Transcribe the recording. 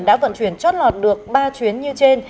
đã vận chuyển chót lọt được ba chuyến như trên